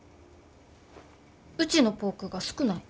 うちのポークが少ない。